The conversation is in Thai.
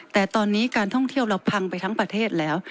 แต่ตอนนี้การท่องเที่ยวเราพังไปทั้งประเทศแล้ว